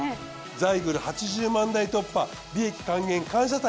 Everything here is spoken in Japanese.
ザイグル８０万台突破利益還元感謝祭。